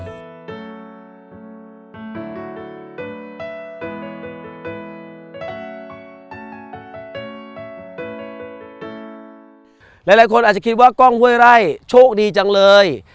หลายคนอาจจะคิดว่ากล้องห้วยไร่โชคดีจังเลย